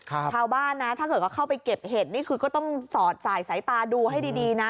ชาวบ้านนะถ้าเกิดว่าเข้าไปเก็บเห็ดนี่คือก็ต้องสอดสายสายตาดูให้ดีดีนะ